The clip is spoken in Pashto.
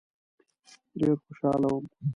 ډېر خوشاله وم.